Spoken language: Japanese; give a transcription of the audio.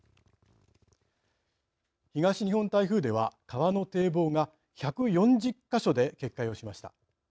東日本台風では、川の堤防が１４０か所で決壊をしました。